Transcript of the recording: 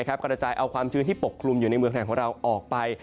กระจายเอาความชื้นที่ปกคลุมอยู่ในเมืองไทยของเราออกไป